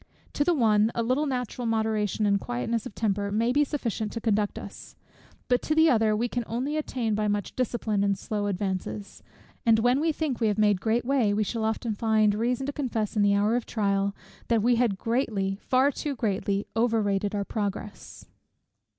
To the one, a little natural moderation and quietness of temper may be sufficient to conduct us: but to the other, we can only attain by much discipline and slow advances; and when we think we have made great way, we shall often find reason to confess in the hour of trial, that we had greatly, far too greatly, over rated our progress.